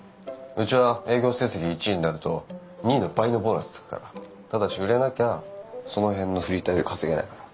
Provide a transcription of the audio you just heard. うちは営業成績１位になると２位の倍のボーナスつくからただし売れなきゃその辺のフリーターより稼げないから。